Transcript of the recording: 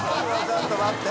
ちょっと待って。